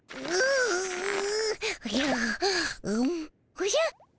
おじゃ？